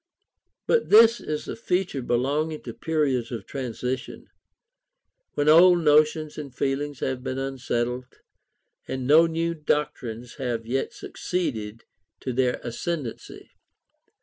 But this is a feature belonging to periods of transition, when old notions and feelings have been unsettled, and no new doctrines have yet succeeded to their ascendancy.